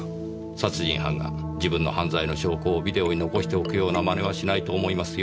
殺人犯が自分の犯罪の証拠をビデオに残しておくような真似はしないと思いますよ。